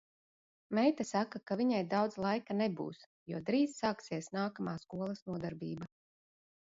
Meita saka, ka viņai daudz laika nebūs, jo drīz sāksies nākamā skolas nodarbība.